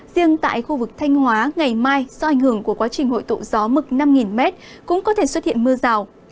riêng tại khu vực thanh hóa ngày mai do ảnh hưởng của quá trình hội tụ gió mực năm m cũng có thể xuất hiện mưa rào